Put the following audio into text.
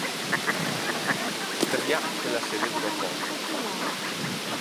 Tuttavia, quella sede durò poco.